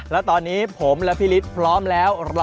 แล้วตอนนี้ผมและพี่ฤทธิ์พร้อมแล้ว